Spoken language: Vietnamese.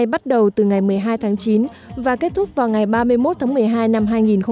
bắt đầu từ ngày một mươi hai tháng chín và kết thúc vào ngày ba mươi một tháng một mươi hai năm hai nghìn một mươi chín